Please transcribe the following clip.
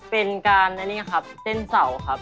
เป็นการอันนี้ครับเส้นเสาครับ